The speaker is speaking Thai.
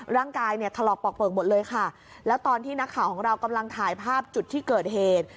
ร่างกายเนี่ยถลอกปอกเปลือกหมดเลยค่ะแล้วตอนที่นักข่าวของเรากำลังถ่ายภาพจุดที่เกิดเหตุ